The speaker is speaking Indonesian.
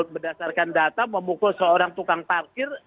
berdasarkan data memukul seorang tukang parkir